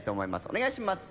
お願いします